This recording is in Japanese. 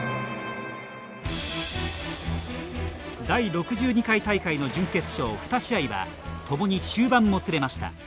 第６２回大会の準決勝２試合は共に終盤もつれました。